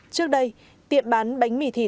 trước đây tiệm bánh mì vi phạm đã đóng cửa